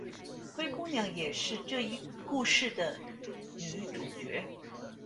灰姑娘也是这一故事的女主角。